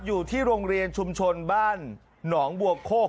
อยู่ที่โรงเรียนชุมชนบ้านหนองบัวโคก